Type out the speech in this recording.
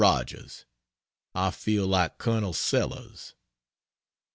ROGERS, (I feel like Col. Sellers).